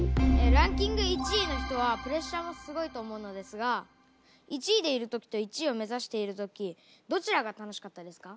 ランキング１位の人はプレッシャーもすごいと思うのですが１位でいる時と１位を目指している時どちらが楽しかったですか？